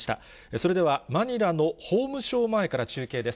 それでは、マニラの法務省前から中継です。